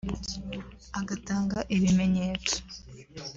agatanga n’ibimenyetso